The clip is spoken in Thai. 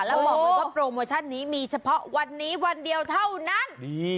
แล้วบอกเลยว่าโปรโมชั่นนี้มีเฉพาะวันนี้วันเดียวเท่านั้น